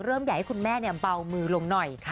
เริ่มอยากให้คุณแม่เนี่ยเบามือลงหน่อย